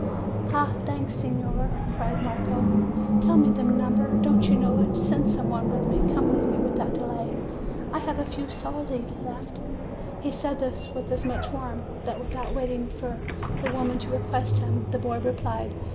"Ah ! thanks, signora !" cried Marco. "Tell me the number; don't you know it? Send some one with me; come with me without delay; I have a few soldi left." And he said this with so much warmth, that with out waiting for the woman to request him, the boy replied.